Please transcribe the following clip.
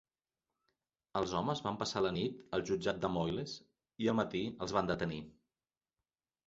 Els homes van passar la nit al jutjat de Moyles i al matí els van detenir.